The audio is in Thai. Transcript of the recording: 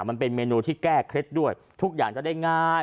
มันเป็นเมนูที่แก้เคล็ดด้วยทุกอย่างจะได้ง่าย